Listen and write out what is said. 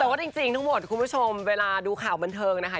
แต่ว่าจริงทั้งหมดคุณผู้ชมเวลาดูข่าวบันเทิงนะคะ